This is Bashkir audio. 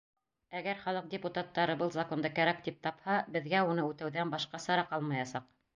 Әгәр халыҡ депутаттары был законды кәрәк тип тапһа, беҙгә уны үтәүҙән башҡа сара ҡалмаясаҡ.